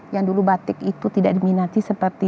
yang dulu batik itu tidak diminati seperti